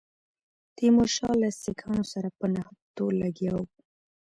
تیمورشاه له سیکهانو سره په نښتو لګیا وو.